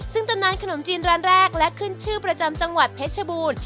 ซึ่งตำนานขนมจีนร้านแรกและขึ้นชื่อประจำจังหวัดเพชรบูรณ์